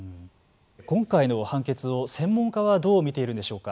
今回の判決を専門家はどう見ているんでしょうか。